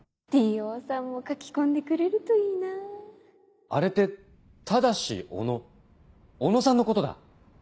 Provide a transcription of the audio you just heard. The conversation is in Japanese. Ｔ・Ｏさんも書き込んでくれるといいなあれって「タダシオノ」小野さんのことだ！